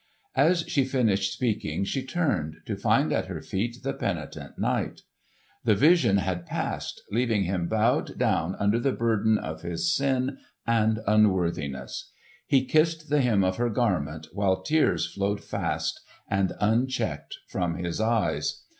As she finished speaking she turned, to find at her feet the penitent knight. The vision had passed leaving him bowed down under the burden of his sin and unworthiness. He kissed the hem of her garment while tears flowed fast and unchecked from his eyes.